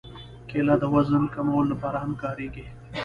کېله د وزن کمولو لپاره هم کارېږي.